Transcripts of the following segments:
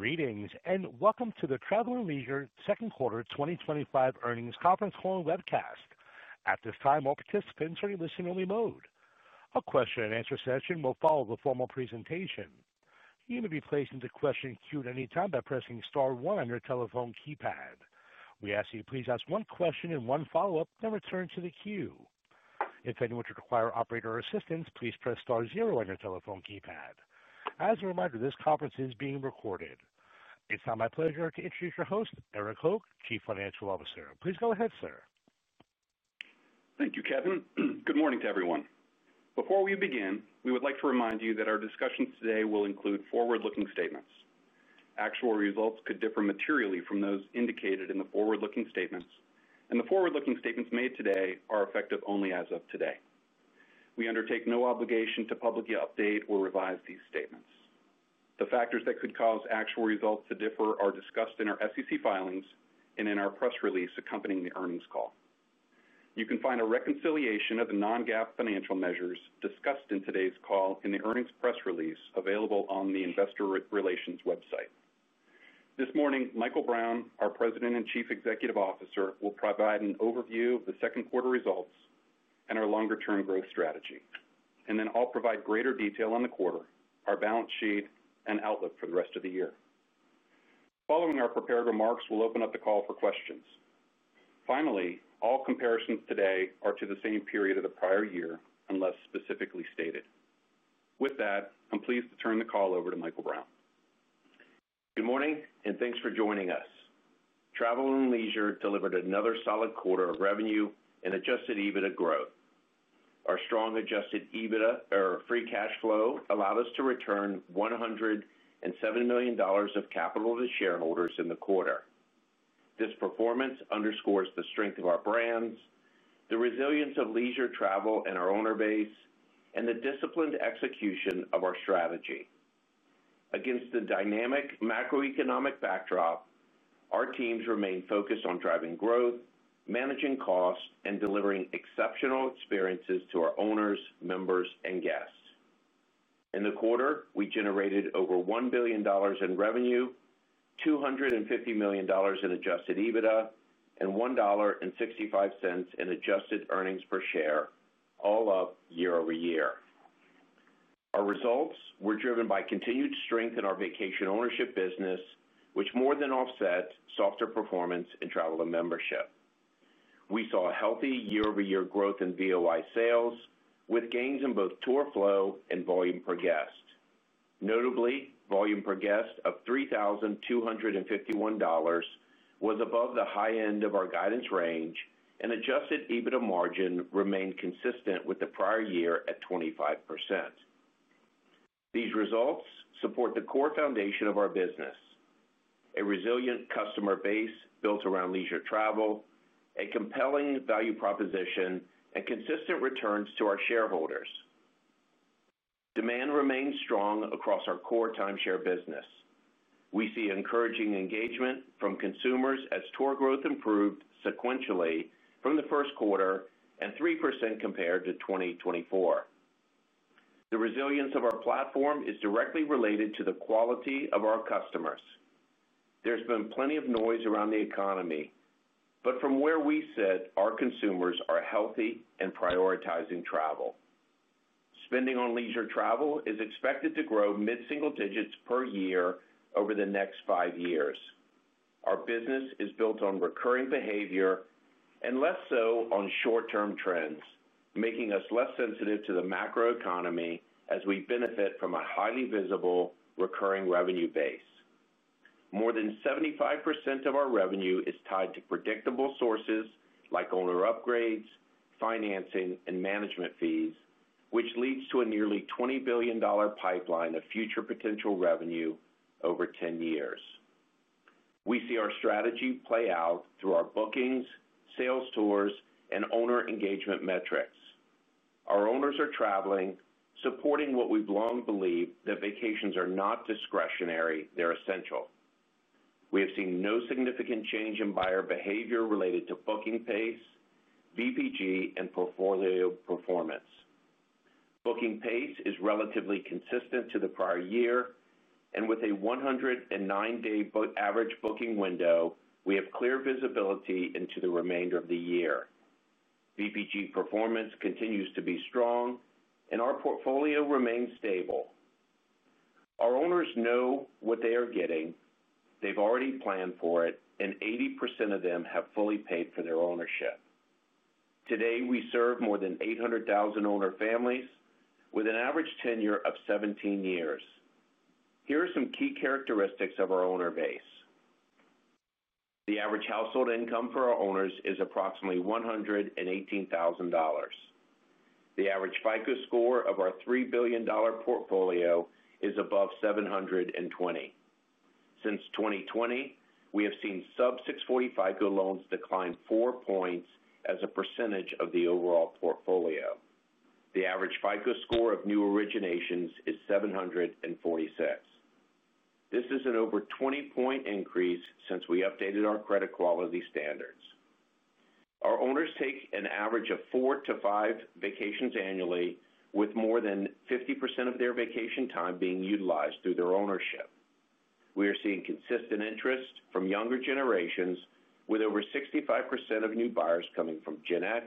Greetings and welcome to the Travel + Leisure Co. Second Quarter 2025 Earnings conference call and webcast. At this time, all participants are in listen-only mode. A question and answer session will follow the formal presentation. You may be placed into the question queue at any time by pressing Star 1 on your telephone keypad. We ask that you please ask one question and one follow-up, then return to the queue. If anyone should require operator assistance, please press Star 0 on your telephone keypad. As a reminder, this conference is being recorded. It's now my pleasure to introduce your host, Erik Hoag, Chief Financial Officer. Please go ahead, sir. Thank you, Kevin. Good morning to everyone. Before we begin, we would like to remind you that our discussions today will include forward-looking statements. Actual results could differ materially from those indicated in the forward-looking statements, and the forward-looking statements made today are effective only as of today. We undertake no obligation to publicly update or revise these statements. The factors that could cause actual results to differ are discussed in our SEC filings and in our press release accompanying the earnings call. You can find a reconciliation of the non-GAAP financial measures discussed in today's call in the earnings press release available on the Investor Relations website. This morning, Michael Brown, our President and Chief Executive Officer, will provide an overview of the second quarter results and our longer-term growth strategy, and then I'll provide greater detail on the quarter, our balance sheet, and outlook for the rest of the year. Following our prepared remarks, we'll open up the call for questions. Finally, all comparisons today are to the same period of the prior year unless specifically stated. With that, I'm pleased to turn the call over to Michael Brown. Good morning and thanks for joining us. Travel + Leisure Co. delivered another solid quarter of revenue and adjusted EBITDA growth. Our strong adjusted EBITDA or free cash flow allowed us to return $107 million of capital to shareholders in the quarter. This performance underscores the strength of our brands, the resilience of leisure travel and our owner base, and the disciplined execution of our strategy against the dynamic macroeconomic backdrop. Our teams remain focused on driving growth, managing costs, and delivering exceptional experiences to our owners, members, and guests. In the quarter, we generated over $1 billion in revenue, $250 million in adjusted EBITDA, and $1.65 in adjusted earnings per share, all up year over year. Our results were driven by continued strength in our Vacation Ownership business, which more than offset softer performance in Travel and Membership. We saw healthy year over year growth in VOI sales with gains in both tour flow and volume per guest. Notably, volume per guest of $3,251 was above the high end of our guidance range, and adjusted EBITDA margin remained consistent with the prior year at 25%. These results support the core foundation of our business: a resilient customer base built around leisure travel, a compelling value proposition, and consistent returns to our shareholders. Demand remains strong across our core timeshare business. We see encouraging engagement from consumers as tour growth improved sequentially from the first quarter and 3% compared to 2024. The resilience of our platform is directly related to the quality of our customers. There's been plenty of noise around the economy, but from where we sit, our consumers are healthy and prioritizing travel. Spending on leisure travel is expected to grow mid single digits per year over the next five years. Our business is built on recurring behavior and less so on short term trends, making us less sensitive to the macroeconomy as we benefit from a highly visible recurring revenue base. More than 75% of our revenue is tied to predictable sources like owner upgrades, financing, and management fees, which leads to a nearly $20 billion pipeline of future potential revenue. Over 10 years, we see our strategy play out through our bookings, sales tours, and owner engagement metrics. Our owners are traveling, supporting what we long believe: that vacations are not discretionary, they're essential. We have seen no significant change in buyer behavior related to booking pace, VPG, and portfolio performance. Booking pace is relatively consistent to the prior year, and with a 109-day average booking window, we have clear visibility into the remainder of the year. VPG performance continues to be strong, and our portfolio remains stable. Our owners know what they are getting, they've already planned for it, and 80% of them have fully paid for their ownership. Today we serve more than 800,000 owner families with an average tenure of 17 years. Here are some key characteristics of our owner base. The average household income for our owners is approximately $118,000. The average FICO score of our $3 billion portfolio is above 720. Since 2020, we have seen sub-640 FICO loans decline 4 points as a percentage of the overall portfolio. The average FICO score of new originations is 746. This is an over 20-point increase since we updated our credit quality standards. Our owners take an average of four to five vacations annually, with more than 50% of their vacation time being utilized through their ownership. We are seeing consistent interest from younger generations, with over 65% of new buyers coming from Gen X,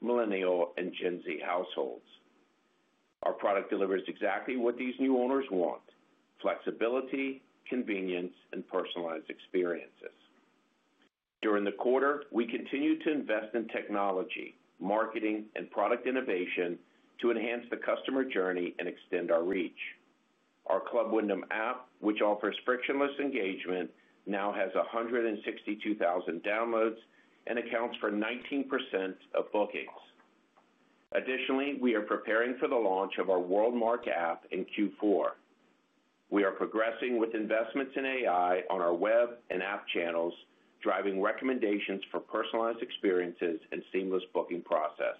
Millennial, and Gen Z households. Our product delivers exactly what these new owners want: flexibility, convenience, and personalized experiences. During the quarter, we continued to invest in technology, marketing, and product innovation to enhance the customer journey and extend our reach. Our Club Wyndham app, which offers frictionless engagement, now has 162,000 downloads and accounts for 19% of bookings. Additionally, we are preparing for the launch of our WorldMark app in Q4. We are progressing with investments in AI on our web and app channels, driving recommendations for personalized experiences and a seamless booking process.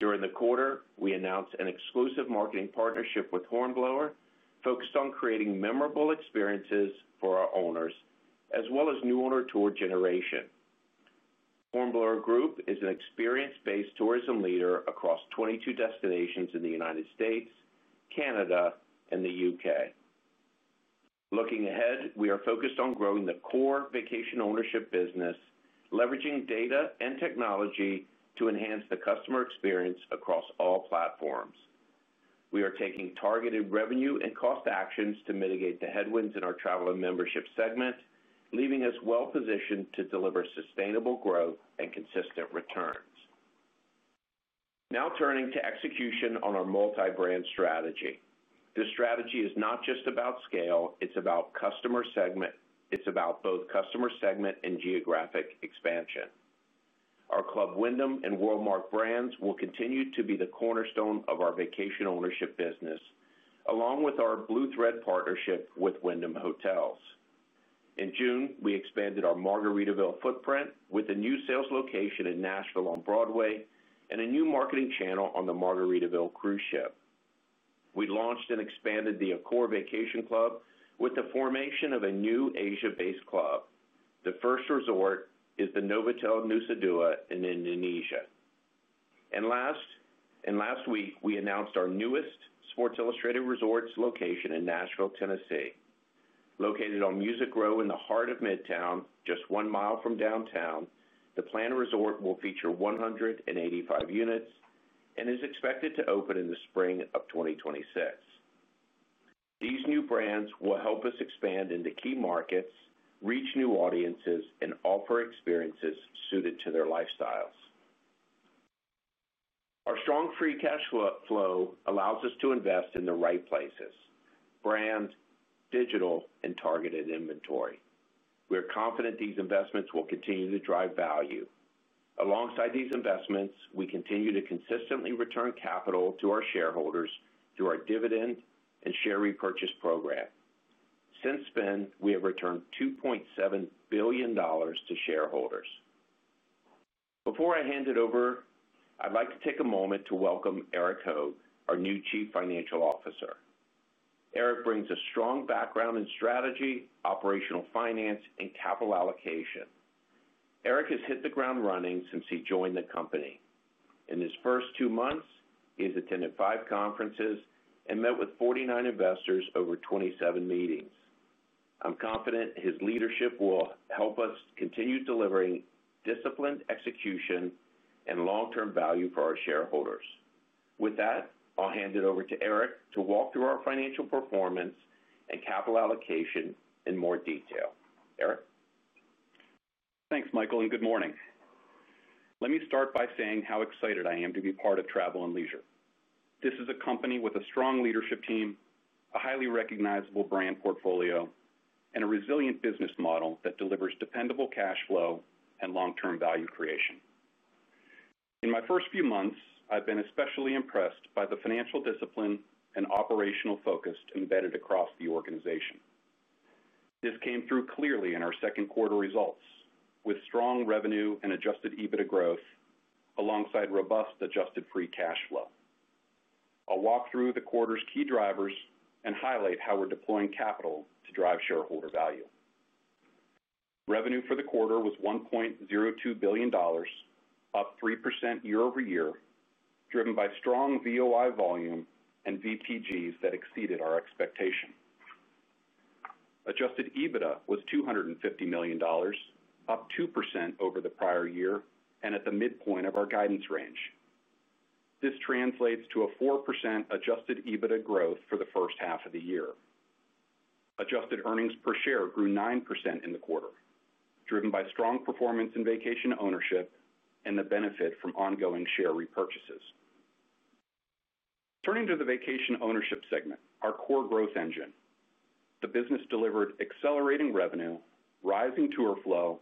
During the quarter, we announced an exclusive marketing partnership with Hornblower focused on creating memorable experiences for our owners as well as new owner tour generation. Hornblower Group is an experience-based tourism leader across 22 destinations in the United States, Canada, and the UK. Looking ahead, we are focused on growing the core vacation ownership business, leveraging data and technology to enhance the customer experience across all platforms. We are taking targeted revenue and cost actions to mitigate the headwinds in our Travel and Membership segment, leaving us well positioned to deliver sustainable growth and consistent returns. Now turning to execution on our multi-brand strategy. This strategy is not just about scale, it's about customer segment. It's about both customer segment and geographic expansion. Our Club Wyndham and WorldMark brands will continue to be the cornerstone of our Vacation Ownership business along with our Blue Thread partnership with Wyndham Hotels. In June, we expanded our Margaritaville footprint with a new sales location in Nashville on Broadway and a new marketing channel on the Margaritaville Cruise ship. We launched and expanded the Accor Vacation Club with the formation of a new Asia-based club. The first resort is the Novotel Nusa Dua in Indonesia, and last week we announced our newest Sports Illustrated Resorts location in Nashville, Tennessee. Located on Music Row in the heart of Midtown, just one mile from downtown, the planned resort will feature 185 units and is expected to open in the spring of 2026. These new brands will help us expand into key markets, reach new audiences, and offer experiences suited to their lifestyles. Our strong free cash flow allows us to invest in the right places: brand, digital, and targeted inventory. We are confident these investments will continue to drive value. Alongside these investments, we continue to consistently return capital to our shareholders through our dividend and share repurchase program. Since then, we have returned $2.7 billion to shareholders. Before I hand it over, I'd like to take a moment to welcome Erik Hoag, our new Chief Financial Officer. Erik brings a strong background in strategy, operational finance, and capital allocation. Erik has hit the ground running since he joined the company. In his first two months, he has attended five conferences and met with 49 investors over 27 meetings. I'm confident his leadership will help us continue delivering disciplined execution and long-term value for our shareholders. With that, I'll hand it over to Erik to walk through our financial performance and capital allocation in more detail. Erik Thanks Michael, and good morning. Let me start by saying how excited I am to be part of Travel + Leisure Co. This is a company with a strong leadership team, a highly recognizable brand portfolio, and a resilient business model that delivers dependable cash flow and long-term value creation. In my first few months, I've been especially impressed by the financial discipline and operational focus embedded across the organization. This came through clearly in our second quarter results with strong revenue and adjusted EBITDA growth alongside robust adjusted free cash flow. I'll walk through the quarter's key drivers and highlight how we're deploying capital to drive shareholder value. Revenue for the quarter was $1.02 billion, up 3% year over year, driven by strong VOI volume and VPGs that exceeded our expectation. Adjusted EBITDA was $250 million, up 2% over the prior year and at the midpoint of our guidance range. This translates to a 4% adjusted EBITDA growth for the first half of the year. Adjusted earnings per share grew 9% in the quarter, driven by strong performance in Vacation Ownership and the benefit from ongoing share repurchases. Turning to the Vacation Ownership segment, our core growth engine, the business delivered accelerating revenue, rising tour flow,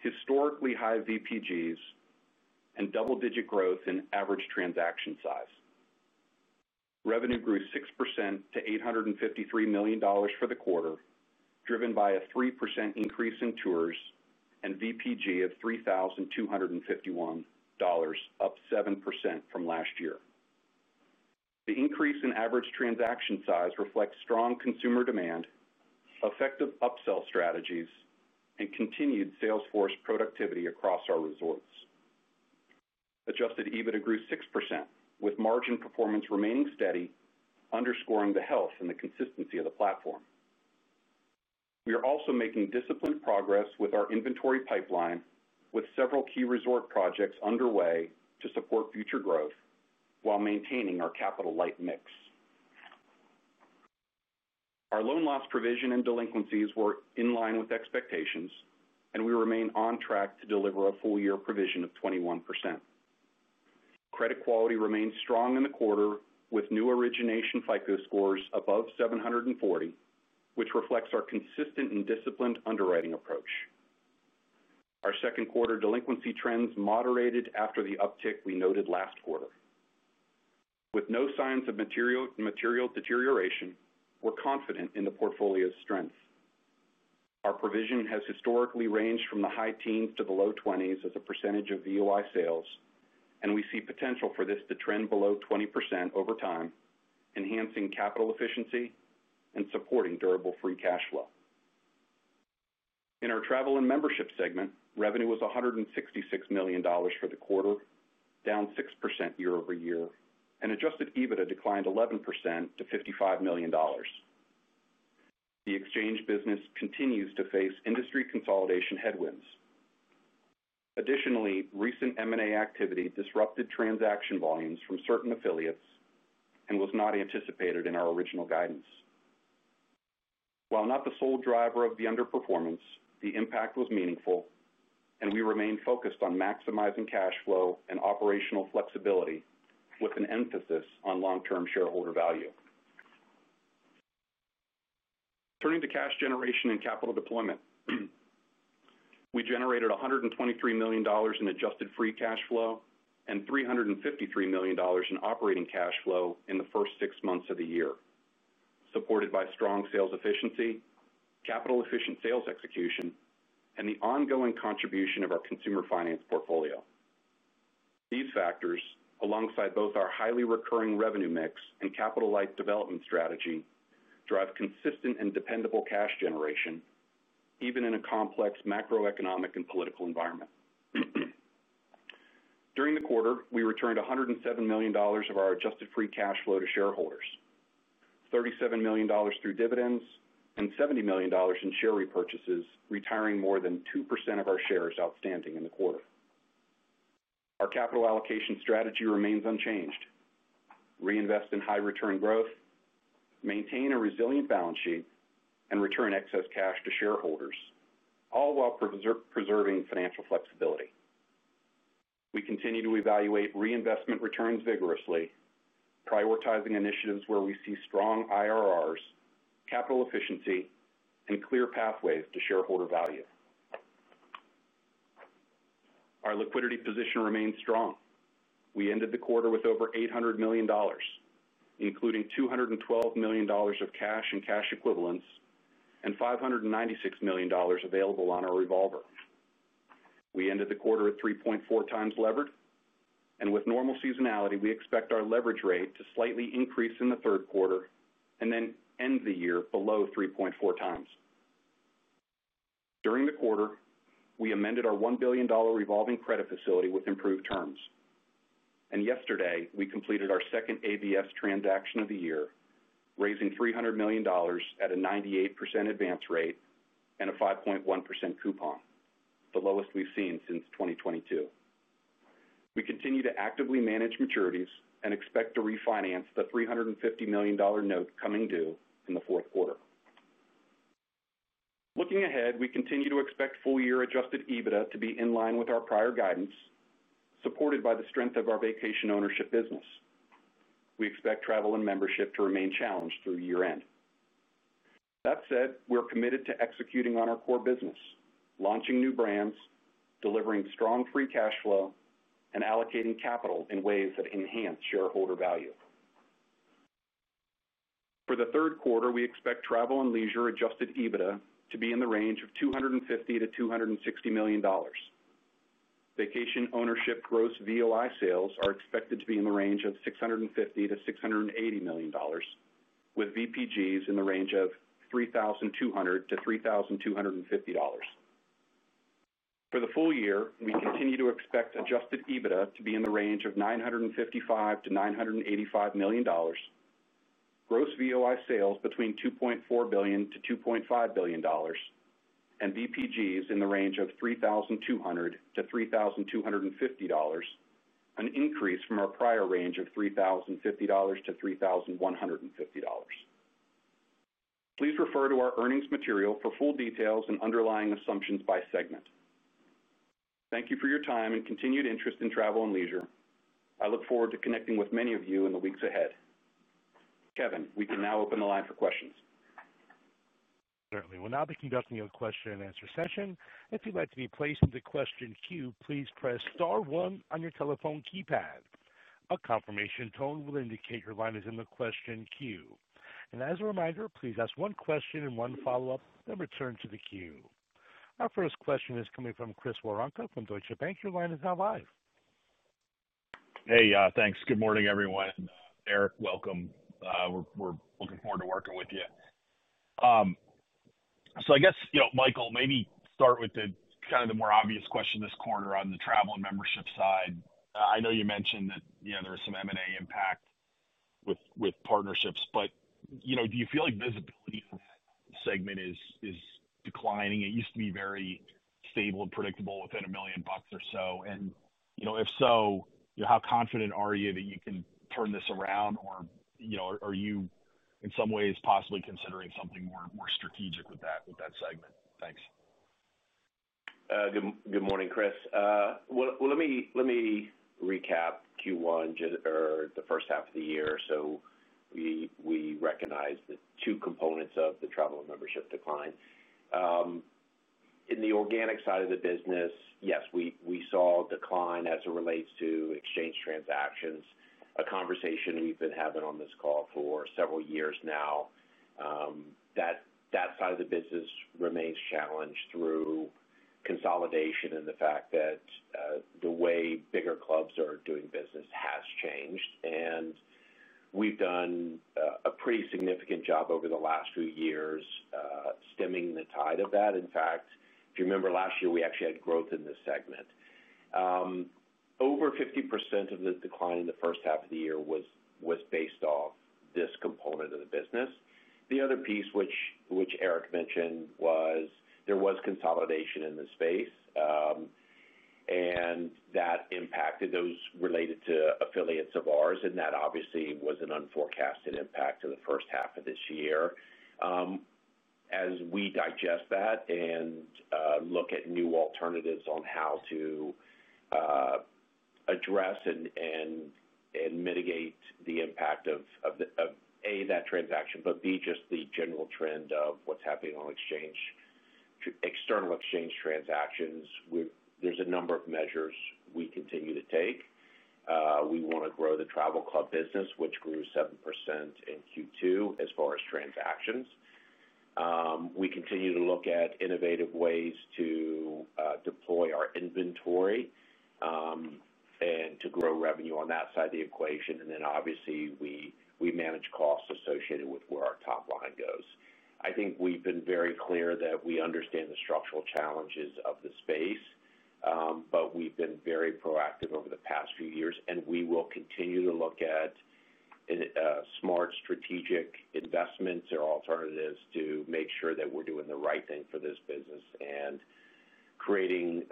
historically high VPGs, and double-digit growth in average transaction size. Revenue grew 6% to $853 million for the quarter, driven by a 3% increase in tours and VPG of $3,251, up 7% from last year. The increase in average transaction size reflects strong consumer demand, effective upsell strategies, and continued sales force productivity across our resorts. Adjusted EBITDA grew 6% with margin performance remaining steady, underscoring the health and the consistency of the platform. We are also making disciplined progress with our inventory pipeline, with several key resort projects underway to support future growth while maintaining our capital-light mix. Our loan loss provision and delinquencies were in line with expectations, and we remain on track to deliver a full year provision of 21%. Credit quality remained strong in the quarter, with new origination FICO scores above 740, which reflects our consistent and disciplined underwriting approach. Our second quarter delinquency trends moderated after the uptick we noted last quarter, with no signs of material deterioration. We're confident in the portfolio's strength. Our provision has historically ranged from the high teens to the low 20s as a percentage of VOI sales, and we see potential for this to trend below 20% over time, enhancing capital efficiency and supporting durable free cash flow. In our Travel and Membership segment, revenue was $166 million for the quarter, down 6% year-over-year, and adjusted EBITDA declined 11% to $55 million. The exchange business continues to face industry consolidation headwinds. Additionally, recent M&A activity disrupted transaction volumes from certain affiliates and was not anticipated in our original guidance. While not the sole driver of the underperformance, the impact was meaningful, and we remain focused on maximizing cash flow and operational flexibility with an emphasis on long-term shareholder value. Turning to cash generation and capital deployment, we generated $123 million in adjusted free cash flow and $353 million in operating cash flow in the first six months of the year, supported by strong sales efficiency, capital-efficient sales execution, and the ongoing contribution of our consumer finance portfolio. These factors, alongside both our highly recurring revenue mix and capital-light development strategy, drive consistent and dependable cash generation even in a complex macroeconomic and political environment. During the quarter, we returned $107 million of our adjusted free cash flow to shareholders, $37 million through dividends and $70 million in share repurchases, retiring more than 2% of our shares outstanding in the quarter. Our capital allocation strategy remains unchanged: reinvest in high-return growth, maintain a resilient balance sheet, and return excess cash to shareholders, all while preserving financial flexibility. We continue to evaluate reinvestment returns vigorously, prioritizing initiatives where we see strong IRRs, capital efficiency, and clear pathways to shareholder value. Our liquidity position remains strong. We ended the quarter with over $800 million, including $212 million of cash and cash equivalents and $596 million available on our revolver. We ended the quarter at 3.4 times levered and with normal seasonality, we expect our leverage rate to slightly increase in the third quarter and then end the year below 3.4 times. During the quarter, we amended our $1 billion revolving credit facility with improved terms, and yesterday we completed our second ABS transaction of the year, raising $300 million at a 98% advance rate and a 5.1% coupon, the lowest we've seen since 2022. We continue to actively manage maturities and expect to refinance the $350 million note coming due in the fourth quarter. Looking ahead, we continue to expect full year adjusted EBITDA to be in line with our prior guidance. Supported by the strength of our Vacation Ownership business, we expect Travel and Membership to remain challenged through year end. That said, we're committed to executing on our core business, launching new brands, delivering strong free cash flow, and allocating capital in ways that enhance shareholder value. For the third quarter, we expect Travel + Leisure adjusted EBITDA to be in the range of $250-$260 million. Vacation Ownership gross VOI sales are expected to be in the range of $650-$680 million, with VPGs in the range of $3,200-$3,250. For the full year, we continue to expect adjusted EBITDA to be in the range of $955-$985 million, gross VOI sales between $2.4 billion-$2.5 billion, and VPGs in the range of $3,200-$3,250, an increase from our prior range of $3,050-$3,150. Please refer to our earnings material for full details and underlying assumptions by segment. Thank you for your time and continued interest in Travel + Leisure. I look forward to connecting with many of you in the weeks ahead. Kevin, we can now open the line for questions. Certainly. We'll now be conducting a question and answer session. If you'd like to be placed into the question queue, please press star 1 on your telephone keypad. A confirmation tone will indicate your line is in the question queue. As a reminder, please ask one question and one follow-up, then return to the queue. Our first question is coming from Chris Woronka from Deutsche Bank. Your line is now live. Hey, thanks. Good morning everyone. Erik, welcome. We're looking forward to working with you. I guess, Michael, maybe start with the more obvious question this quarter on the Travel and Membership side. I know you mentioned that there was some M&A impact with partnerships, but do you feel like visibility segment is declining? It used to be very stable and predictable within a million bucks or so. If so, how confident are you that you can turn this around? Are you in some ways possibly considering something more strategic with that segment? Thanks. Good morning, Chris. Q1 or the first half of the year? We recognize the two components of the Travel and Membership decline in the organic side of the business. Yes, we saw decline as it relates to exchange transactions. A conversation we've been having on this call for several years now, that side of the business remains challenged through consolidation and the fact that the way bigger clubs are doing business has changed, and we've done a pretty significant job over the last few years stemming the tide of that. In fact, if you remember last year we actually had growth in this segment. Over 50% of the decline in the first half of the year was based off this component of the business. The other piece which Erik mentioned was there was consolidation in the space and that impacted those related to affiliates of ours. That obviously was an unforecasted impact to the first half of this year. As we digest that and look at new alternatives on how to address and mitigate the impact of, A, that transaction, and, B, just the general trend of what's happening on exchange, external exchange transactions, there's a number of measures we continue to take. We want to grow the travel club business, which grew 7% in Q2 as far as transactions. We continue to look at innovative ways to deploy our inventory and to grow revenue on that side of the equation. Obviously, we manage costs associated with where our top line goes. I think we've been very clear that we understand the structural challenges of the space, but we've been very proactive over the past few years and we will continue to look at smart strategic investments or alternatives to make sure that we're doing the right thing for this business and creating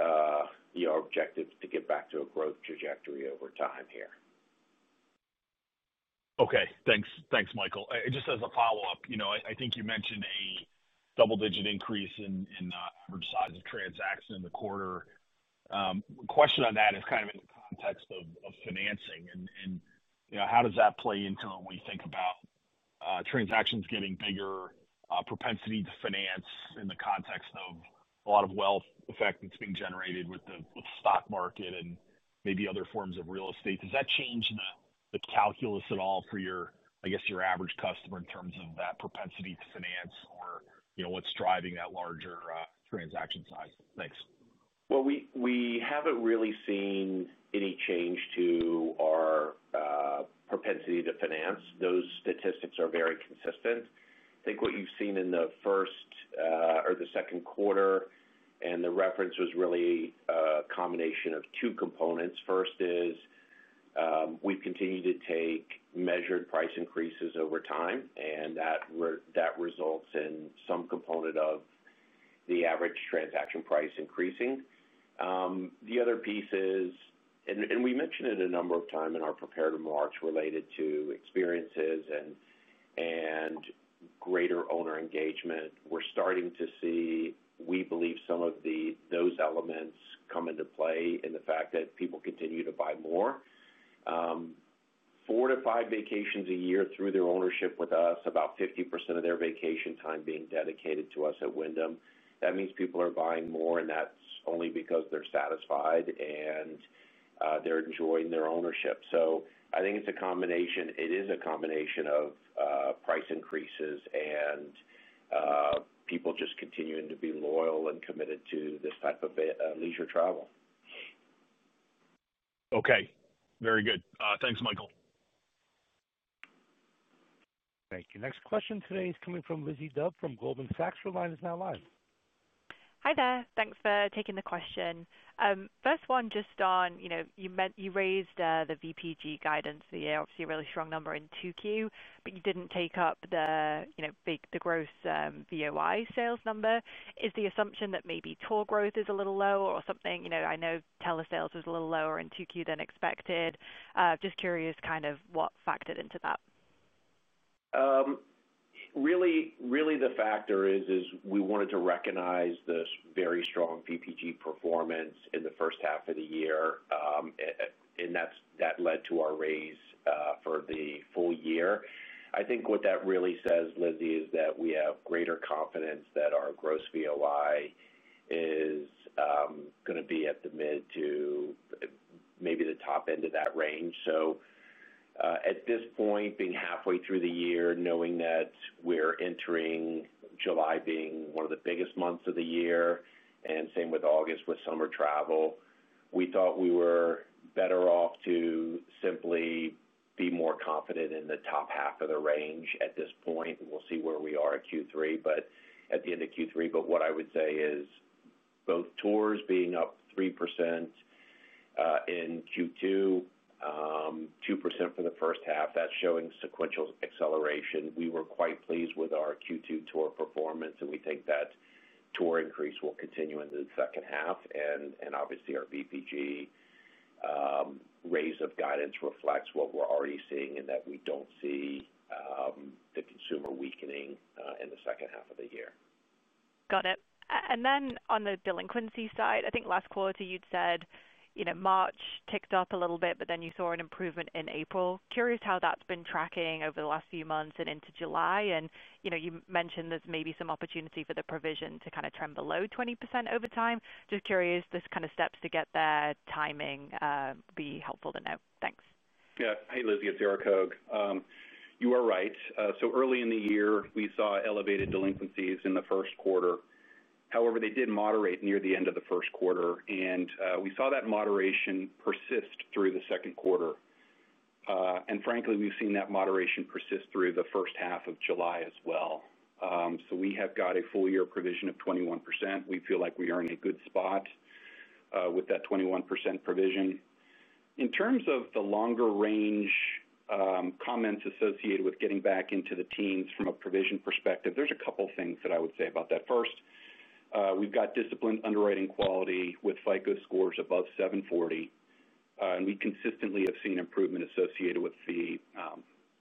our objectives to get back to a growth trajectory over time here. Okay, thanks. Thanks, Michael. Just as a follow-up, I think you mentioned a double-digit increase in average size of transaction in the quarter. The question on that is kind of in the context of financing and how does that play into when you think about transactions getting bigger, propensity to finance in the context of a lot of wealth effect that's being generated with the stock market and maybe other forms of real estate. Does that change the calculus at all for your, I guess, your average customer in terms of that propensity to finance or, you know, what's driving that larger transaction size? Thanks. We haven't really seen any change to our propensity to finance. Those statistics are very consistent. I think what you've seen in the first or the second quarter, and the reference was really a combination of two components. First is we continue to take measured price increases over time, and that results in some component of the average transaction price increasing. The other piece is, and we mentioned it a number of times in our prepared remarks related to experiences and greater owner engagement, we're starting to see, we believe, some of those elements come into play in the fact that people continue to buy more, four to five vacations a year through their ownership. With us, about 50% of their vacation time is being dedicated to us at Wyndham. That means people are buying more, and that only because they're satisfied and they're enjoying their ownership. I think it's a combination. It is a combination of price increases and people just continuing to be loyal and committed to this type of leisure travel. Okay, very good. Thanks, Michael. Thank you. Next question today is coming from Lizzie Dove from Goldman Sachs. Line is now live. Hi there. Thanks for taking the question first. One just on you raised the VPG guidance. The year obviously a really strong number in 2Q, but you didn't take up the gross VOI sales number. Is the assumption that maybe tour growth is a little lower or something? I know telesales was a little lower in 2Q than expected. Just curious what factored into that? Really? Really the factor is we wanted to recognize this very strong VPG performance in the first half of the year, and that led to our raise for the full year. I think what that really says, Lizzie, is that we have greater confidence that our gross VOI is going to be at the mid to maybe the top end of that range. At this point, being halfway through the year, knowing that we're entering July, being one of the biggest months of the year and same with August with summer travel, we thought we were better off to simply be more confident in the top half of the range. At this point, we'll see where we are at Q3, but at the end of Q3. What I would say is both tours being up 3% in Q2, 2% for the first half. That's showing sequential acceleration. We were quite pleased with our Q2 tour performance, and we think that tour increase will continue in the second half. Obviously, our VPG raise of guidance reflects what we're already seeing in that we don't see the consumer weakening in the second half of the year. Got it. On the delinquency side, I think last quarter you'd said March ticked up a little bit, but then you saw an improvement in April. Curious how that's been tracking over the last few months and into July. You mentioned there's maybe some opportunity for the provision to kind of trend below 20% over time. Just curious, the steps to get that timing would be helpful to know. Thanks. Yeah, hey Lizzie, it's Erik Hoag. You are right. Early in the year we saw elevated delinquencies in the first quarter. However, they did moderate near the end of the first quarter, and we saw that moderation persist through the second quarter. Frankly, we've seen that moderation persist through the first half of July as well. We have got a full year provision of 21%. We feel like we are in a good spot with that 21% provision in terms of the longer range. Comments associated with getting back into the teens from a provision perspective, there's a couple things that I would say about that. First, we've got disciplined underwriting quality with FICO scores above 740, and we consistently have seen improvement associated with the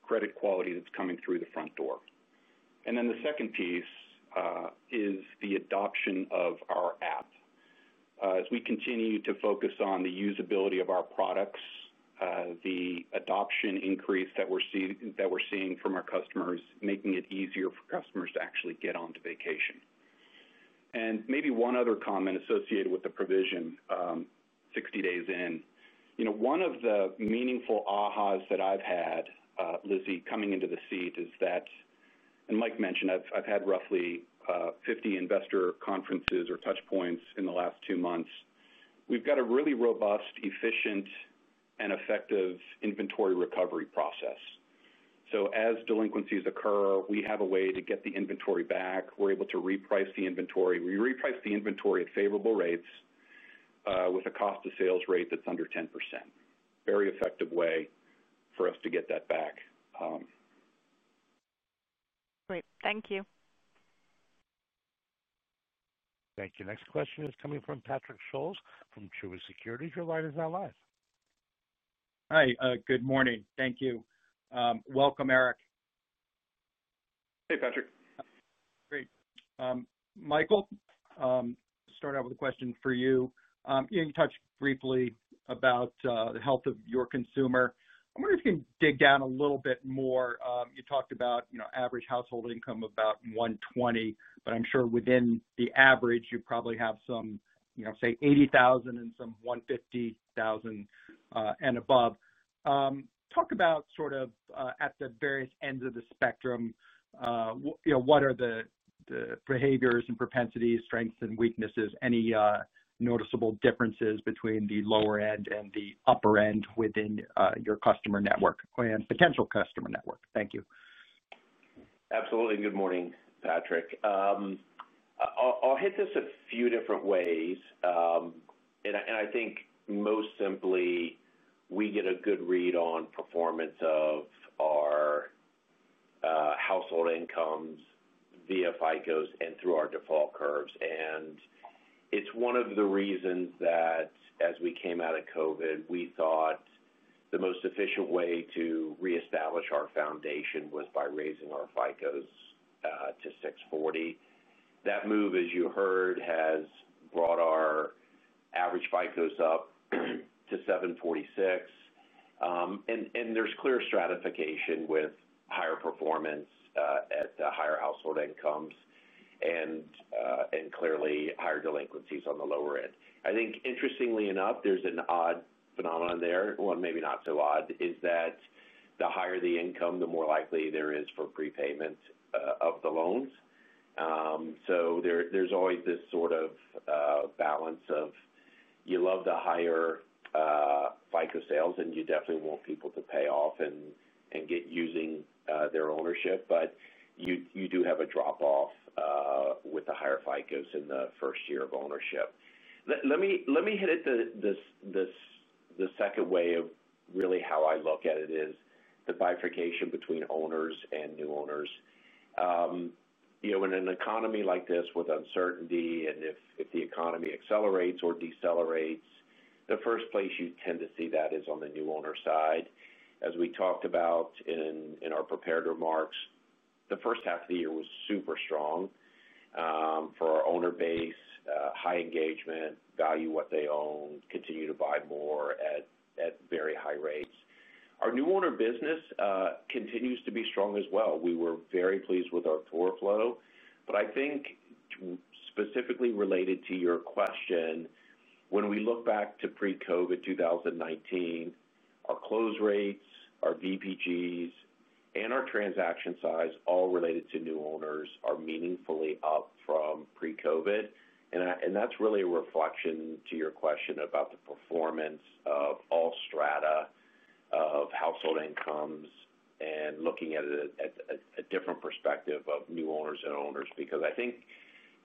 credit quality that's coming through the front door. The second piece is the adoption of our app as we continue to focus on the usability of our products. The adoption increase that we're seeing from our customers means making it easier for customers to actually get onto vacation. Maybe one other comment associated with the provision 60 days in. One of the meaningful AHAs that I've had, Lizzie, coming into the seat is that, and Mike mentioned, I've had roughly 50 investor conferences or touchpoints in the last two months. We've got a really robust, efficient, and effective inventory recovery process. As delinquencies occur, we have a way to get the inventory back. We're able to reprice the inventory. We reprice the inventory at favorable rates with a cost of sales rate that's under 10%. Very effective way for us to get that back. Great. Thank you. Thank you. Next question is coming from Patrick Scholes from Truist Securities. Your line is not live. Hi, good morning. Thank you. Welcome, Erik. Hey Patrick. Great. Michael, start out with a question for you. You touched briefly about the health of your consumer. I wonder if you can dig down a little bit more. You talked about, you know, average household income about $120,000, but I'm sure within the average you probably have some, you know, say $80,000 and some $150,000 and above. Talk about sort of at the various ends of the spectrum, you know, what are the behaviors and propensities, strengths and weaknesses? Any noticeable differences between the lower end and the upper end within your customer network and potential customer network. Thank you. Absolutely. Good morning, Patrick. I'll hit this a few different ways, and I think most simply, we get a good read on performance of our household incomes via FICO and through our default curves. It's one of the reasons that as we came out of COVID, we thought the most efficient way to reestablish our foundation was by raising our FICOs to 640. That move, as you heard, has brought our average FICOs up to 746. There's clear stratification with higher performance at higher household incomes and clearly higher delinquencies on the lower end. Interestingly enough, there's an odd phenomenon there. Maybe not so odd is that the higher the income, the more likely there is for prepayment of the loans. There's always this sort of balance of you love to hire FICO sales and you definitely want people to pay off and get using their ownership, but you do have a drop off with the higher FICOs in the first year of ownership. Let me hit it the second way of really how I look at it, which is the bifurcation between owners and new owners. In an economy like this, with uncertainty, and if the economy accelerates or decelerates, the first place you tend to see that is on the new owner side. As we talked about in our prepared remarks, the first half of the year was super strong for our owner base. High engagement, value, what they own, continue to buy more at very high rates. Our new owner business continues to be strong as well. We were very pleased with our tour flow. Specifically related to your question, when we look back to pre-COVID 2019, our close rates, our VPGs, and our transaction size all related to new owners are meaningfully up from pre-COVID. That's really a reflection to your question about the performance of all strata of household incomes and looking at a different perspective of new owners and owners, because I think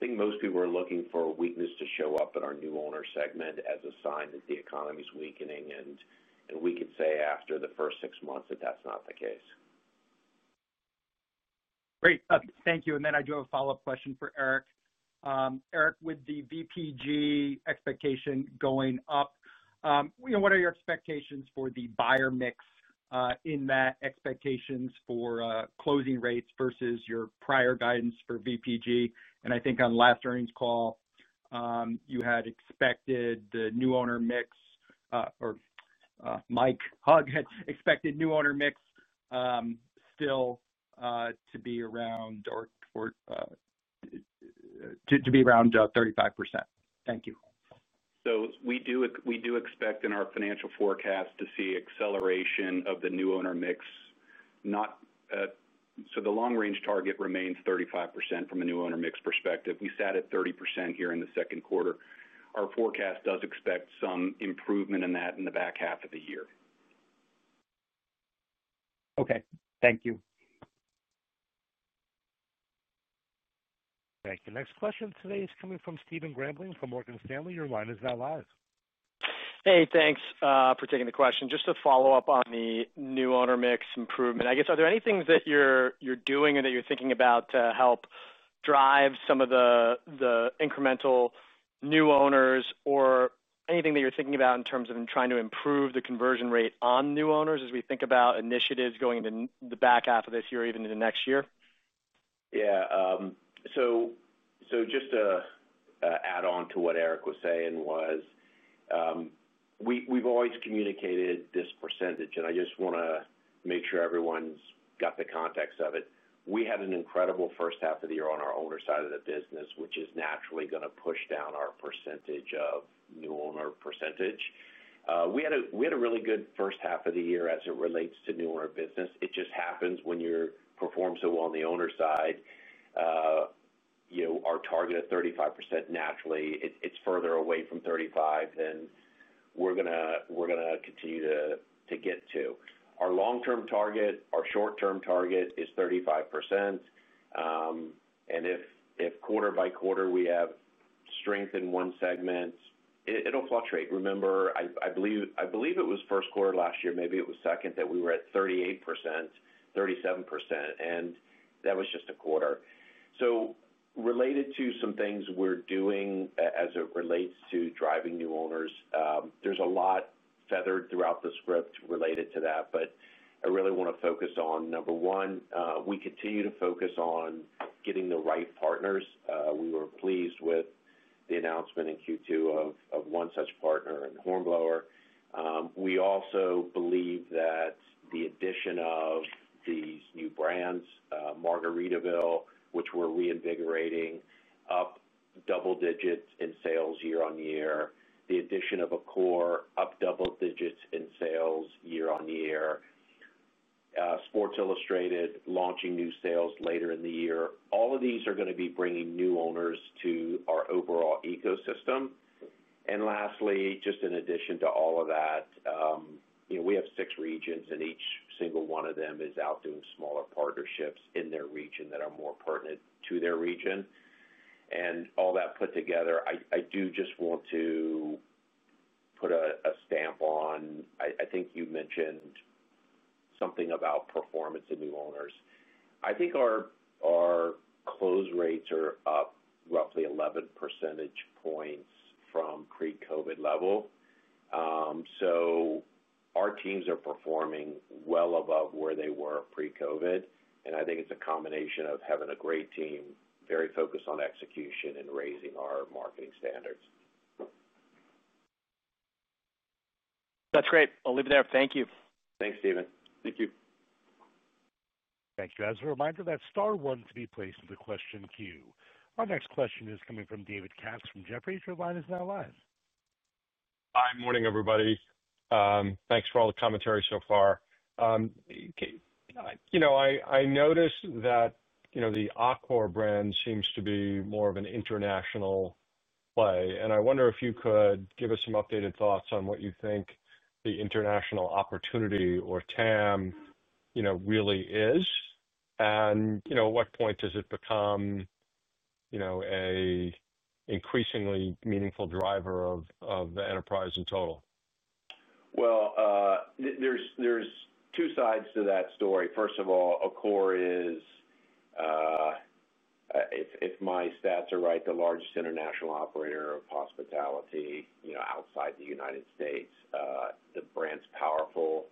most people are looking for weakness to show up in our new owner segment as a sign that the economy is weakening. We could say after the first six months that that's not the case. Great, thank you. I do have a follow up question for Erik. Erik, with the VPG expectation going up, what are your expectations for the buyer mix in that, expectations for closing rates versus your prior guidance for VPG? I think on last earnings call you had expected the new owner mix or Mike Hug expected new owner mix still to be around or to be around 35%.Thank you. We do expect in our financial forecast to see acceleration of the new owner mix. The long-range target remains 35%. From a new owner mix perspective, we sat at 30% here in the second quarter. Our forecast does expect some improvement in that in the back half of the year. Okay, thank you. Thank you. Next question today is coming from Stephen Grambling from Morgan Stanley, your line is now live. Hey, thanks for taking the question. Just a follow-up on the new owner mix improvement, I guess. Are there any things that you're doing initiatives that you're thinking about to help drive some of the incremental new owners, or anything that you're thinking about in terms of trying to improve the conversion rate on new owners as we think about initiatives going into the back half of this year, even into next year. Yeah. Just to add on to what Erik was saying, we've always communicated this percentage and I just want to make sure everyone's got the context of it. We had an incredible first half of the year on our owner side of the business, which is naturally going to push down our percentage of new owner percentage. We had a really good first half of the year as it relates to new owner business. It just happens when you perform so well on the owner side. You know our target of 35%, naturally it's further away from 35. We're going to continue to get to our long term target. Our short term target is 35% and if quarter by quarter we have strength in one segment, it'll fluctuate. I believe it was first quarter last year, maybe it was second, that we were at 38%, 37% and that was just a quarter. Related to some things we're doing as it relates to driving new owners, there's a lot feathered throughout the script related to that. I really want to focus on number one, we continue to focus on getting the right partners. We were pleased with the announcement in Q2 of one such partner in Hornblower. We also believe that the addition of these new brands, Margaritaville, which we're reinvigorating double digits in sales year on year, the addition of Accor up double digits in sales year on year, Sports Illustrated, launching new sales later in the year, all of these are going to be bringing new owners to our overall ecosystem. Lastly, just in addition to all of that, we have six regions and each single one of them is out doing smaller partnerships in their region that are more pertinent to their region and all that put together. I do just want to put a stamp on, I think you mentioned something about performance in new owners. I think our close rates are up roughly 11 percentage points from pre-COVID level. Our teams are performing well, well above where they were pre-COVID and I think it's a combination of having a great team, very focused on execution and raising our marketing standards. That's great. I'll leave it there. Thank you. Thanks, Stephen. Thank you. Thank you. As a reminder, press Star One to be placed in the question queue. Our next question is coming from David Katz from Jefferies. Your line is now live. Hi. Morning, everybody. Thanks for all the commentary so far. I noticed that the Accor brand seems to be more of an international play. I wonder if you could give us some updated thoughts on what you think the international opportunity or TAM really is, and at what point does it become an increasingly meaningful driver of the enterprise in total? There's two sides to that story. First of all, Accor is, if my stats are right, the largest international operator of hospitality outside the U.S. The brand's powerful,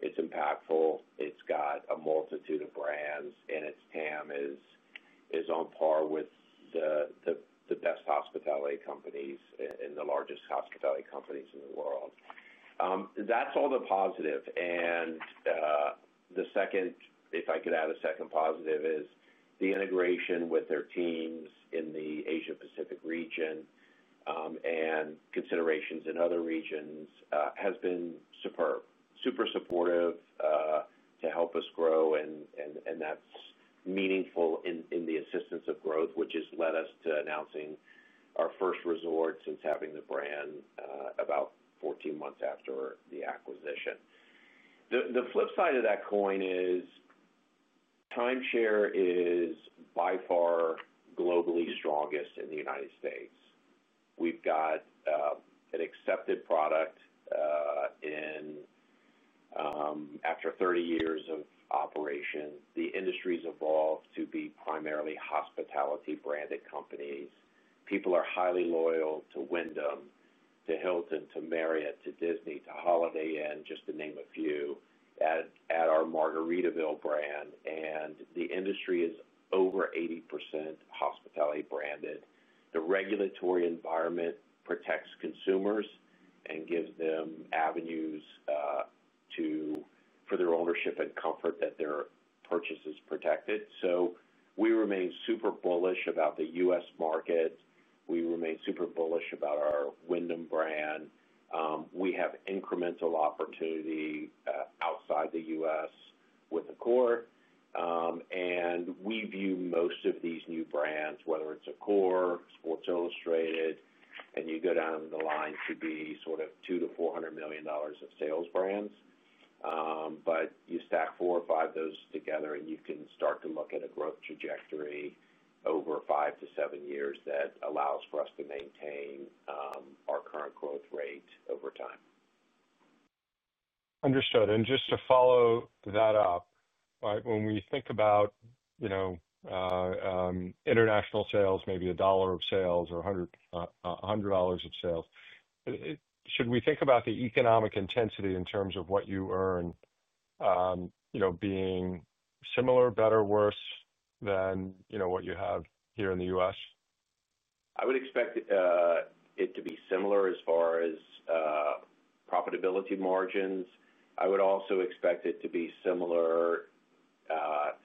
it's impactful, it's got a multitude of brands and its TAM is on par with the best hospitality companies and the largest hospitality companies in the world. That's all the positive. A second positive is the integration with their teams in the Asia Pacific region and considerations in other regions has been superb, super supportive to help us grow. That's meaningful in the assistance of growth, which has led us to announcing our first resort since having the brand about 14 months after the acquisition. The flip side of that coin is timeshare is by far globally strongest in the U.S. We've got an accepted product after 30 years of operation. The industry's evolved to be primarily hospitality branded companies. People are highly loyal to Wyndham, to Hilton, to Marriott, to Disney, to Holiday Inn, just to name a few, at our Margaritaville brand. The industry is over 80% hospitality branded. The regulatory environment protects consumers and gives them avenues for their ownership and comfort that their purchase is protected. We remain super bullish about the U.S. market. We remain super bullish about our Wyndham brand. We have incremental opportunity outside the U.S. with Accor. We view most of these new brands, whether it's Accor, Sports Illustrated, and you go down the line, to be sort of $200 million-$400 million of sales brands, but you stack four or five of those together and you can start to look at a growth trajectory over five to seven years that allows for us to maintain our current growth rate over time. Understood. Just to follow that up, when we think about international sales, maybe a dollar of sales or $100 of sales, should we think about the economic intensity in terms of what you earn being similar, better, or worse than what you have here in the U.S. I would expect it to be similar as far as profitability margins. I would also expect it to be similar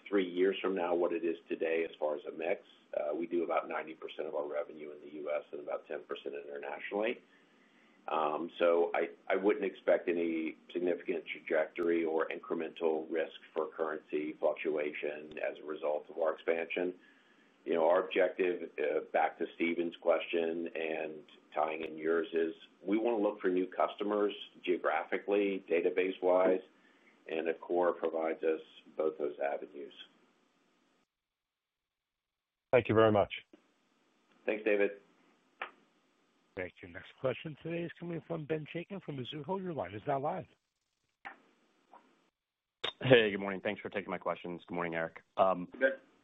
three years from now, what it is today. As far as a mix, we do about 90% of our revenue in the U.S. and about 10% internationally. I wouldn't expect any significant trajectory or incremental risk for currency fluctuations as a result of our expansion. Our objective, back to Stephen's question and tying in yours, is we want to look for new customers geographically, database-wise, and Accor provides us both those avenues. Thank you very much. Thanks David. Thank you. Next question today is coming from Ben Chaiken from Mizuho. Your line is now live. Hey, good morning. Thanks for taking my questions. Good morning, Erik.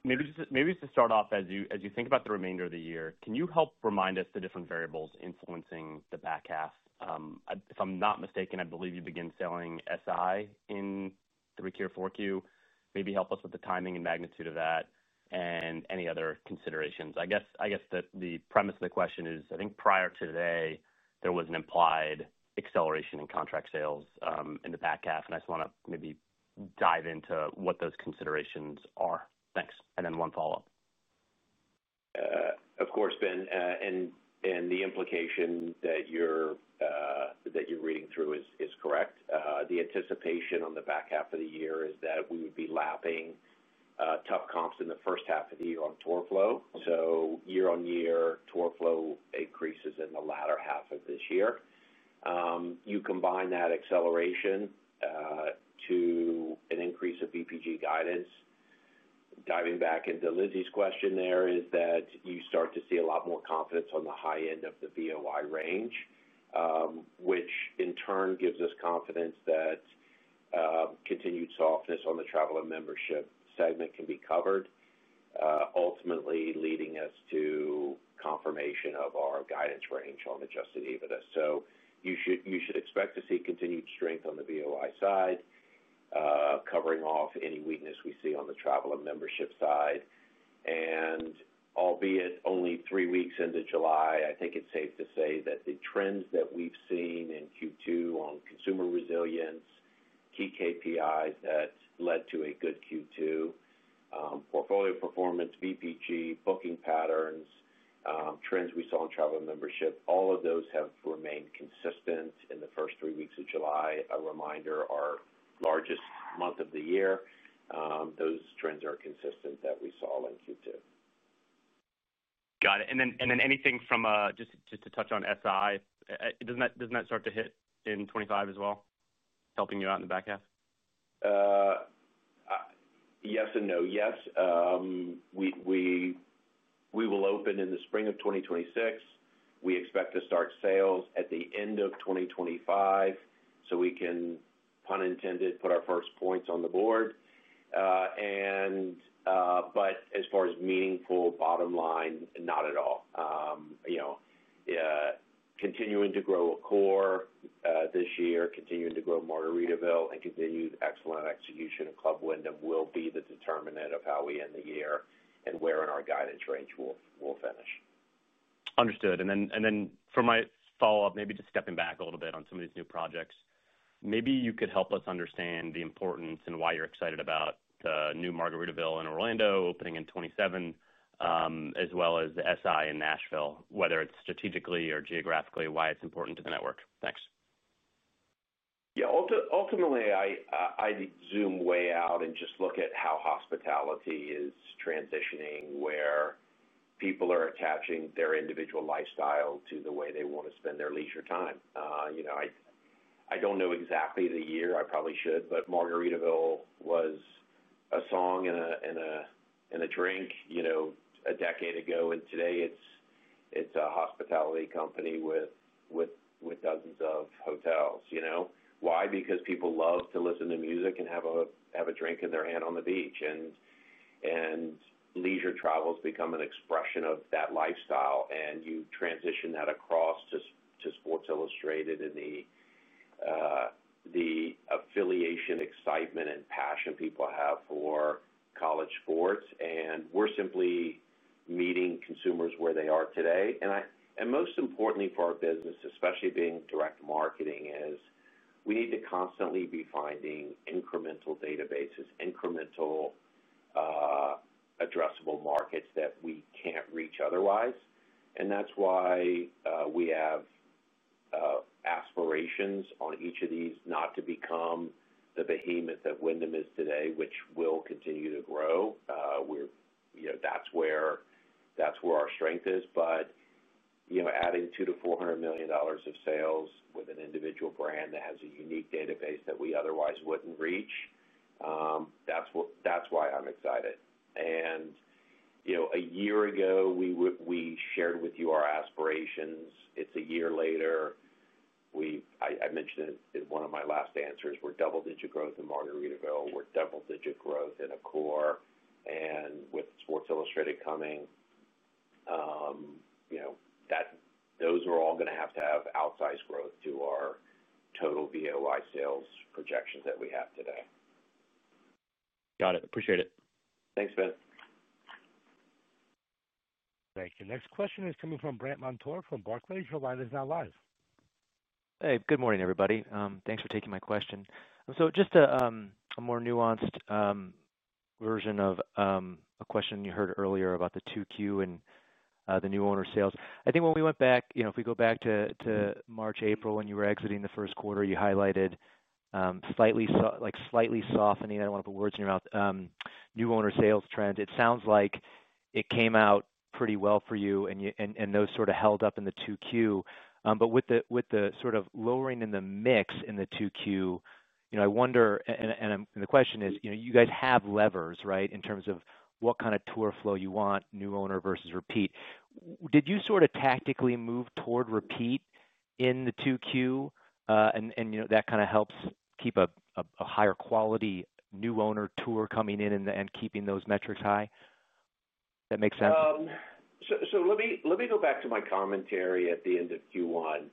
Maybe just to start off, as you think about the remainder of the year, can you help remind us the different variables influencing the back half? If I'm not mistaken, I believe you begin selling SIR in 3Q, 4Q. Maybe help us with the timing and magnitude of that and any other considerations. I guess the premise of the question is I think prior to today there was an implied acceleration in contract sales in the back half, and I just want to maybe dive into what those considerations are. Thanks. One follow up. Of course, Ben, and the implication that you're reading through is correct. The anticipation on the back half of the year is that we would be lapping tough comps in the first half of the year on tour flow. Year on year, tour flow increases. In the latter half of this year, you combine that acceleration to an increase of VPG guidance. Diving back into Lizzie's question, there is that you start to see a lot more confidence on the high end of the VOI range, which in turn gives us confidence that continued softness on the Travel and Membership segment can be covered, ultimately leading us to confirmation of our guidance range on adjusted EBITDA. You should expect to see continued strength on the VOI side, covering off any weakness we see on the Travel and Membership side. Albeit only three weeks into July, I think it's safe to say that the trends that we've seen in Q2 on consumer resilience and key KPIs that led to a good Q2 portfolio performance, VPG, booking patterns, trends we saw in Travel and Membership, all of those have remained consistent in the first three weeks of July. A reminder, our largest month of the year. Those trends are consistent with what we saw in Q2. Got it. Anything from, just to touch on SIR, doesn't that start to hit in 2025 as well, helping you out in the back half? Yes and no. Yes, we will open in the spring of 2026. We expect to start sales at the end of 2025, so we can, pun intended, put our first points on the board. As far as meaningful bottom line, not at all. Continuing to grow Accor this year, continuing to grow Margaritaville, and continued excellent execution of Club Wyndham will be the determinant of how we end the year and where in our guidance range we'll finish. Understood. For my follow up, maybe just stepping back a little bit on some of these new projects, maybe you could help us understand the importance and why you're excited about the new Margaritaville in Orlando opening in 2027, as well as the SI in Nashville. Whether it's strategically or geographically, why it's important to the network. Thanks. Yeah. Ultimately, I zoom way out and just look at how hospitality is transitioning where people are attaching their individual lifestyle to the way they want to spend their leisure time. I don't know exactly the year, I probably should, but Margaritaville was a song and a drink a decade ago, and today it's a hospitality company with dozens of hotels. Why? Because people love to listen to music and have a drink in their hand on the beach, and leisure travel has become an expression of that lifestyle. You transition that across to Sports Illustrated in the affiliation, excitement, and passion people have for college sports. We're simply meeting consumers where they are today. Most importantly for our business, especially being direct marketing, is we need to constantly be finding incremental databases, incremental addressable markets that we can't reach otherwise. That's why we have aspirations on each of these. Not to become the behemoth that Wyndham is today, which will continue to grow. That's where our strength is. Adding $200 million to $400 million of sales with an individual brand that has a unique database that we otherwise wouldn't reach. That's why I'm excited. A year ago we shared with you our aspirations. It's a year later. I mentioned in one of my last answers, we're double-digit growth in Margaritaville, we're double-digit growth in Accor, and with Sports Illustrated coming, those are all going to have to have outsized growth to our total VOI sales projections that we have today. Got it. Appreciate it. Thanks, Ben. Thank you. Next question is coming from Brandt Montour from Barclays. Your line is now live. Hey, good morning, everybody. Thanks for taking my question. Just a more nuanced version of a question. You heard earlier about the 2Q and the new owner sales. I think when we went back, if we go back to March, April, when you were exiting the first quarter, you highlighted slightly softening—I don't want to put words in your mouth—new owner sales trend. It sounds like it came out pretty well for you and those sort of held up in the 2Q. With the sort of lowering in the mix in the 2Q, I wonder, and the question is, you guys have levers, right? In terms of what kind of tour flow you want. New owner versus repeat. Did you sort of tactically move toward repeat in the 2Q? That kind of helps keep a higher quality new owner tour coming in and keeping those metrics high. That makes sense. Let me go back to my commentary at the end of Q1.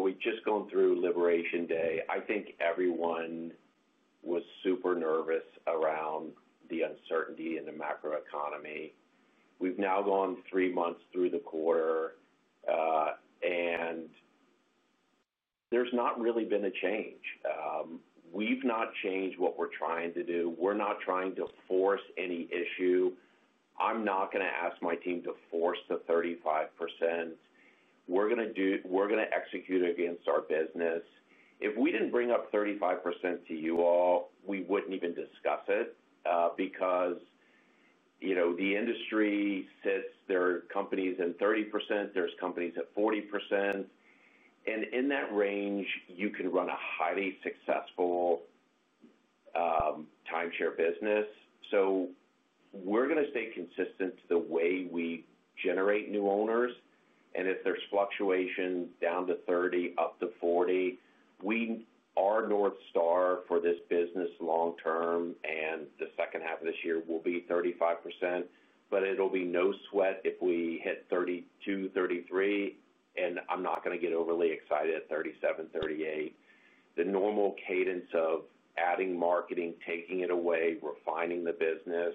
We've just gone through Liberation Day. I think everyone was super nervous around the uncertainty in the macro economy. We've now gone three months through the quarter and there's not really been a change. We've not changed what we're trying to do. We're not trying to force any issue. I'm not going to ask my team to force the 35% we're going to do. We're going to execute against our business. If we didn't bring up 35% to you all, we wouldn't even discuss it because you know, the industry sits. There are companies in 30%, there's companies at 40%. In that range you can run a highly successful timeshare business. We're going to stay consistent to the way we generate new owners. If there's fluctuation down to 30 up to 40, we are north star for this business long term. The second half of this year will be 35%. It'll be no sweat if we hit 32, 33. I'm not going to get overly excited at 37, 38. The normal cadence of adding marketing, taking it away, refining the business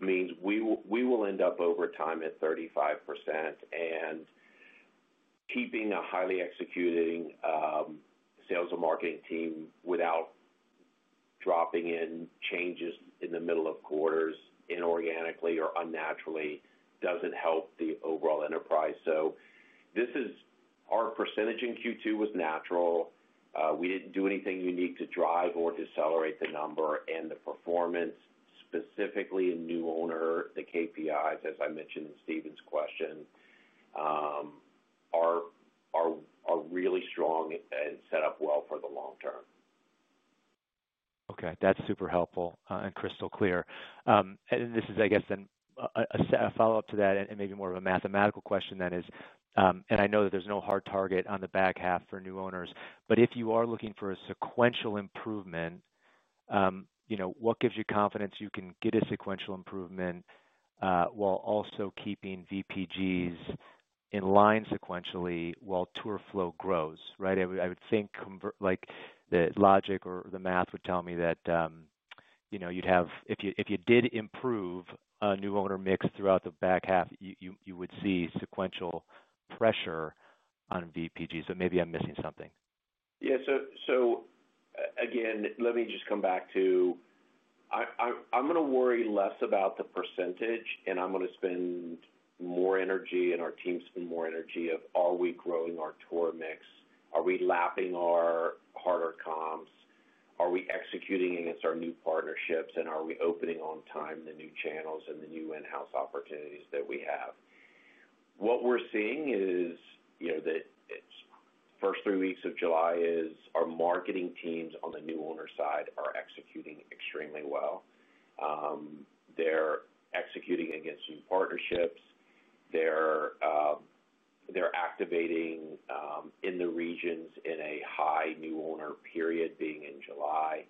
means we will end up over time at 35%. Keeping a highly executing sales and marketing team without dropping in changes in the middle of quarters, inorganically or unnaturally, doesn't help the overall enterprise. This is our percentage in Q2 was natural. We didn't do anything unique to drive or decelerate the number. The performance specifically in new owner, the KPIs as I mentioned in Stephen's question, are really strong and set up well for the long term. Okay, that's super helpful and crystal clear. This is, I guess, then a follow-up to that and maybe more of a mathematical question. I know that there's no hard target on the back half for new owners, but if you are looking for a sequential improvement, what gives you confidence you can get a sequential improvement while also keeping VPGs in line sequentially while tour flow grows? I would think the logic or the math would tell me that, you know, if you did improve new owner mix throughout the back half, you would see sequential pressure on VPG. Maybe I'm missing something. Yeah. Let me just come back to, I'm going to worry less about the % and I'm going to spend more energy and our team spend more energy on are we growing our tour mix, are we lapping our harder comps, are we executing against our new partnerships, and are we opening on time the new channels and the new in-house opportunities that we have? What we're seeing is, that first three weeks of July, our marketing teams on the new owner side are executing extremely well. They're executing against new partnerships, they're activating in the regions in a high new owner period being in July.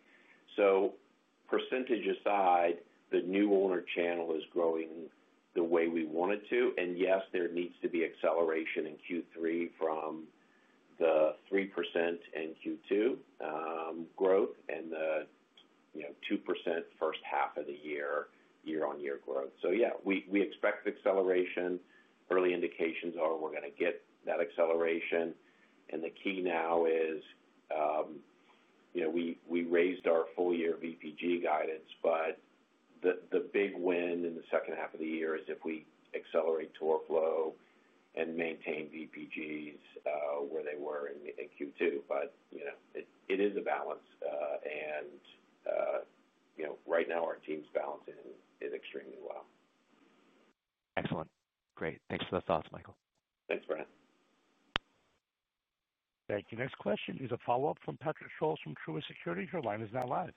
% aside, the new owner channel is growing the way we want it to. Yes, there needs to be acceleration in Q3 from the 3% in Q2 growth and the 2% first half of the year, year on year growth. We expect acceleration. Early indications are we're going to get that acceleration. The key now is we raised our full year VPG guidance. The big win in the second half of the year is if we accelerate tour flow and maintain VPGs where they were in Q2. It is a balance and right now our team's balancing it extremely well. Excellent. Great. Thanks for the thoughts, Michael. Thanks, Brandt. Thank you. Next question is a follow-up from Patrick Scholes from Truist Securities. Your line is now live.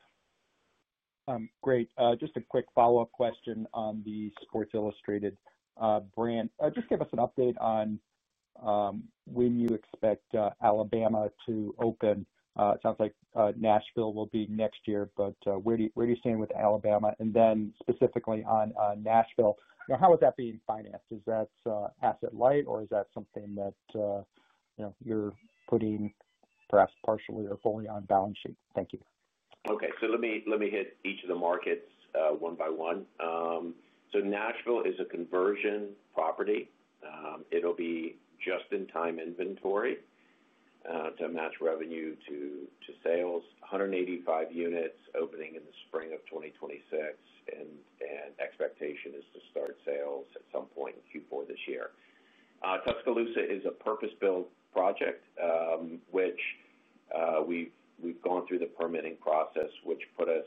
Great. Just a quick follow up question on the Sports Illustrated brand. Just give us an update on when you expect Alabama to open. It sounds like Nashville will be next year, but where do you stand with Alabama, and then specifically on Nashville, how is that being financed? Is that asset light or is that something that you're putting perhaps partially or fully on balance sheet? Thank you. Okay, let me hit each of the markets one by one. Nashville is a conversion property. It'll be just in time inventory to match revenue to sales. 185 units opening in the spring of 2026, and expectation is to start sales at some point in Q4 this year. Tuscaloosa is a purpose-built project, which we've gone through the permitting process, which put us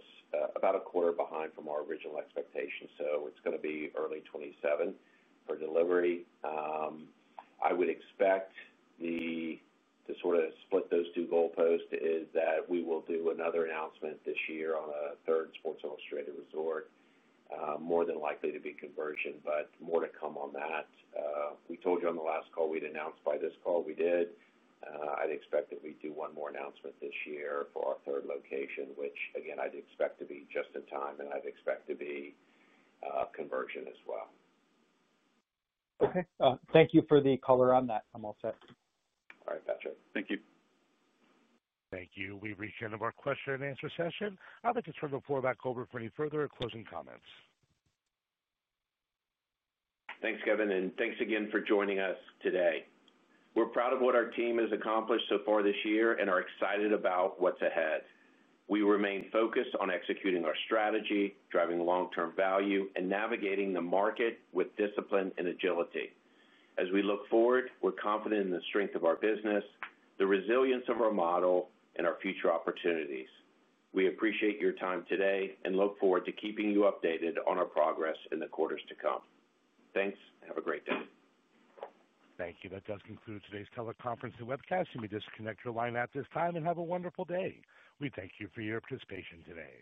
about a quarter behind from our original expectations. It's going to be early 2027 for delivery. I would expect to sort of split those two goalposts. We will do another announcement this year on a third Sports Illustrated Resorts. More than likely to be conversion, but more to come on that. We told you on the last call we'd announce by this call, we did. I'd expect that we'd do one more announcement this year for our third location, which again I'd expect to be just in time, and I'd expect to be conversion as well. Okay, thank you for the color on that. I'm all set. All right, Patrick, thank you. Thank you. We've reached the end of our question and answer session. I'd like to turn the floor back over for any further closing comments. Thanks, Kevin, and thanks again for joining us today. We're proud of what our team has accomplished so far this year and are excited about what's ahead. We remain focused on executing our strategy, driving long term value, and navigating the market with discipline and agility as we look forward. We're confident in the strength of our business, the resilience of our model, and our future opportunities. We appreciate your time today and look forward to keeping you updated on our progress in the quarters to come. Thanks. Have a great day. Thank you. That does conclude today's teleconference and webcast. You may disconnect your line at this time and have a wonderful day. We thank you for your participation today.